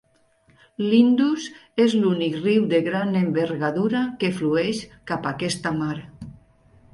L'Indus és l'únic riu de gran envergadura que flueix cap a aquesta mar.